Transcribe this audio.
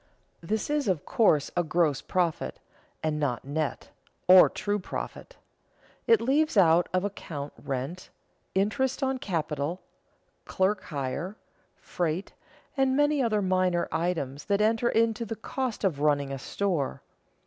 This is of course a gross profit, and not net, or true profit. It leaves out of account rent, interest on capital, clerk hire, freight, and many other minor items that enter into the cost of running a store.